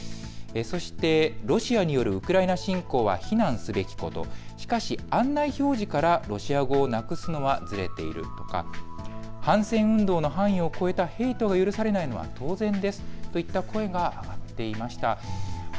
そしてロシアによるウクライナ侵攻は非難すべきこと、しかし案内表示からロシア語をなくすのはずれているとか反戦運動の範囲を超えたヘイトが許されないのは当然ですといった声が上がっていました。